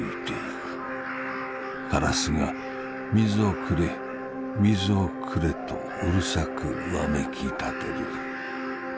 カラスが『水をくれ水をくれ』とうるさくわめきたてる。